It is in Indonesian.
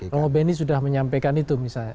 romo beni sudah menyampaikan itu misalnya